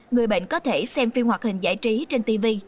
người bệnh có thể xem phim hoạt hình giải trí trên tv